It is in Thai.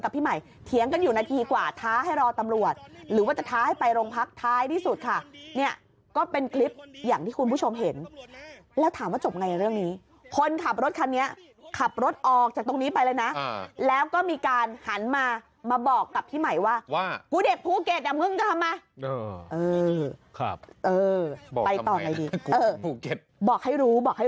พี่ใหม่เถียงกันอยู่นาทีกว่าท้าให้รอตำรวจหรือว่าจะท้าให้ไปโรงพักท้ายที่สุดค่ะเนี่ยก็เป็นคลิปอย่างที่คุณผู้ชมเห็นแล้วถามว่าจบไงเรื่องนี้คนขับรถคันนี้ขับรถออกจากตรงนี้ไปเลยนะแล้วก็มีการหันมามาบอกกับพี่ใหม่ว่าว่ากูเด็กภูเก็ตอ่ะมึงทำมาบอกไปต่อไงดีภูเก็ตบอกให้รู้บอกให้